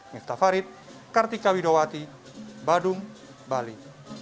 miftah farid kartika widowati badung bali